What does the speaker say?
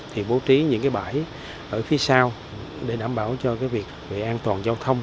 thì bố trí những bãi ở phía sau để đảm bảo cho việc an toàn giao thông